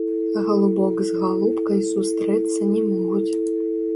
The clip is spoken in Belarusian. Галубок з галубкай сустрэцца не могуць.